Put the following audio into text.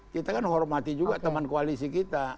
kita kan hormati juga teman koalisi kita